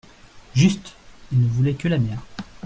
«, Juste ! il ne voulait que la mère.